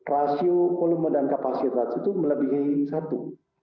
rasio volume dan kapasitas itu melebihi satu